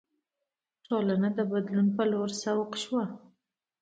ټولنه د بدلون په لور سوق شوه.